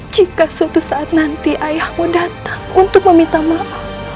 jika suatu saat nanti ayahmu datang untuk meminta maaf